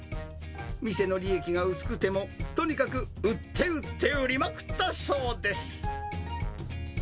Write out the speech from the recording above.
店の利益が薄くても、とにかく売って売って売りまくったそうです。